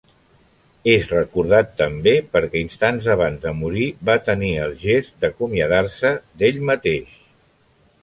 És recordat també perquè instants abans de morir va tenir el gest d'acomiadar-se d'ell mateix.